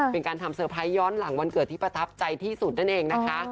เป็นการทำเตอร์ไพรส์ย้อนหลังวันเกิดที่ประทับใจที่สุดนั่นเองนะคะ